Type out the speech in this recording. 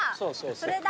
それだ。